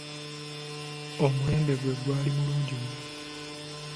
Omulembe gwe gwali mulungi nnyo.